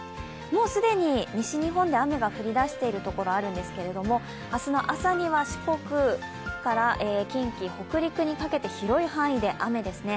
既に西日本で雨が降りだしているところがあるんですけれども、明日の朝には四国から近畿、北陸にかけて広い範囲で雨ですね。